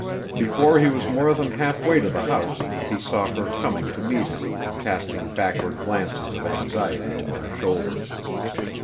Before he was more than half way to the house he saw her coming to meet him, casting backward glances of anxiety over her shoulder.